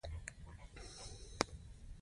د پکتیکا په زیروک کې د سمنټو مواد شته.